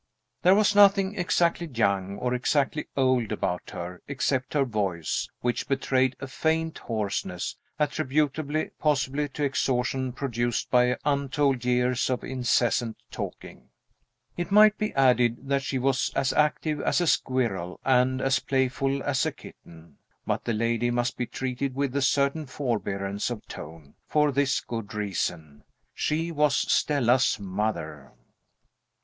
There was nothing exactly young or exactly old about her except her voice, which betrayed a faint hoarseness, attributable possibly to exhaustion produced by untold years of incessant talking. It might be added that she was as active as a squirrel and as playful as a kitten. But the lady must be treated with a certain forbearance of tone, for this good reason she was Stella's mother.